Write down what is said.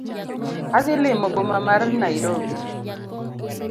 Adhi limo boma mar Nairobi